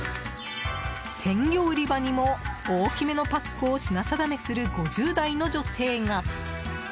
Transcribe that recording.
鮮魚売り場にも大きめのパックを品定めする５０代の女性が。